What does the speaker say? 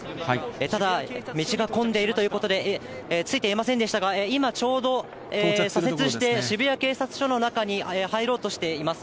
ただ、道が混んでいるということで、着いていませんでしたが、今、ちょうど左折して、渋谷警察署の中に入ろうとしています。